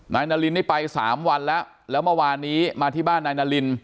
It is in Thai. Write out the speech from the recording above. นายนารินนี่ไปสามวันแล้วแล้วเมื่อวานนี้มาที่บ้านนายนาริน